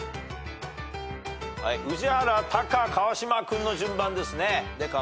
宇治原タカ川島君の順番ですね。